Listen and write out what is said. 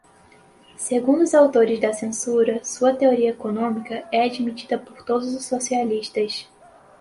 segundo os autores da censura, sua teoria econômica é admitida por todos os socialistas